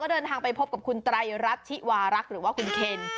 สไตรรัฐิวารักหรือว่าคุณเคน